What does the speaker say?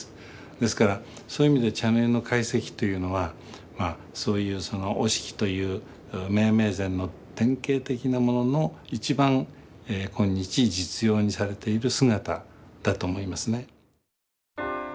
ですからそういう意味で茶の湯の懐石というのはそういう折敷というめいめい膳の典型的なものの一番今日実用にされている姿だと思いますね。